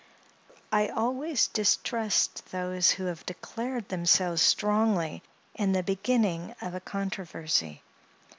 I always distrust those who have declared themselves strongly in the beginning of a controversy.